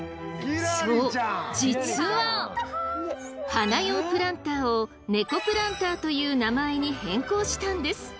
そう実は花用プランターをネコプランターという名前に変更したんです。